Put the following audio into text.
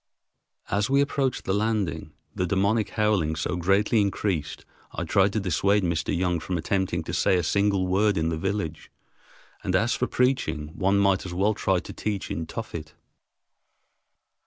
As we approached the landing, the demoniac howling so greatly increased I tried to dissuade Mr. Young from attempting to say a single word in the village, and as for preaching one might as well try to preach in Tophet.